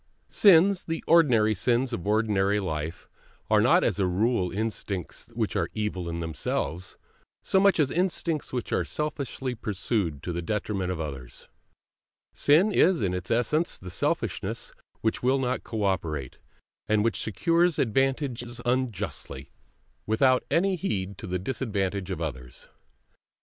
Sins, the ordinary sins of ordinary life, are not as a rule instincts which are evil in themselves, so much as instincts which are selfishly pursued to the detriment of others; sin is in its essence the selfishness which will not cooperate, and which secures advantages unjustly, without any heed to the disadvantage of others.